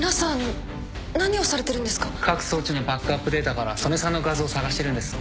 各装置のバックアップデータから曽根さんの画像を探してるんです。